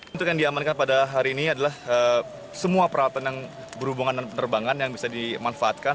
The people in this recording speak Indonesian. untuk yang diamankan pada hari ini adalah semua peralatan yang berhubungan dengan penerbangan yang bisa dimanfaatkan